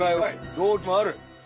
動機もある。